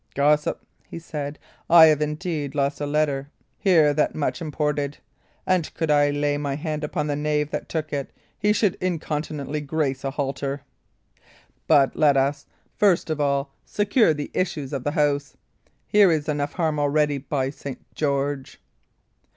"Gossip," he said, "I have indeed lost a letter here that much imported; and could I lay my hand upon the knave that took it, he should incontinently grace a halter. But let us, first of all, secure the issues of the house. Here is enough harm already, by St. George!"